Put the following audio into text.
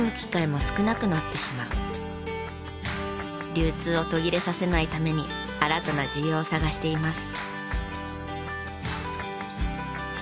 流通を途切れさせないために新たな需要を探しています。